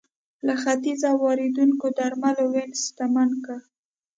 له ختیځه واردېدونکو درملو وینز شتمن کړ